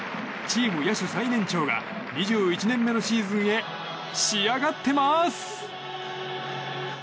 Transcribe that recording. チーム野手最年長が２１年目のシーズンへ仕上がってまーす！